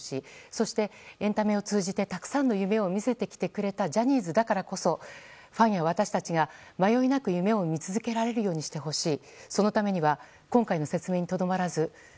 そして、エンタメを通じてたくさんの夢を見せてきてくれたジャニーズだからこそファンや私たちが迷いなく夢を見続けられるようにしてほしい。